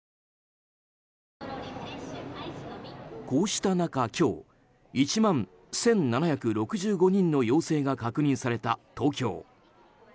こうした中、今日１万１７６５人の陽性が確認された東京。